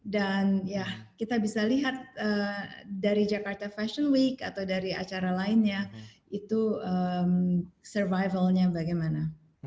dan ya kita bisa lihat dari jakarta fashion week atau dari acara lainnya itu survivalnya bagaimana